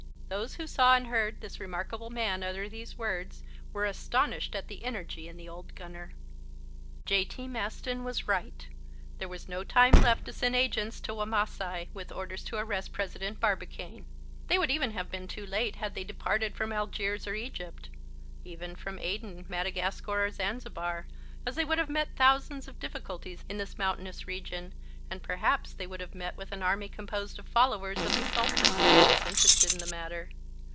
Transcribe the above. Those who saw and heard this remarkable man utter these words were astonished at the energy in the old gunner. J.T. Maston was right. There was no time left to send agents to Wamasai with orders to arrest President Barbicane. They would even have been too late had they departed from Algiers or Egypt, even from Aden, Madagascar, or Zanzibar, as they would have met thousands of difficulties in this mountainous region, and perhaps they would have met with an army composed of followers of the Sultan, who was interested in the matter.